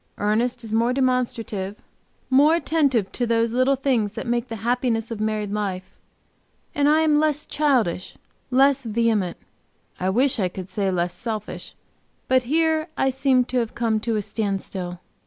Ernest is more demonstrative, more attentive to those little things that make the happiness of married life, and I am less childish, less vehement I wish I could say less selfish, but here I seem to have come to a standstill.